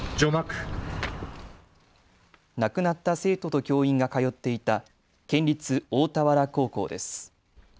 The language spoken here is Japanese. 亡くなった生徒と教員が通っていた県立大田原高校です。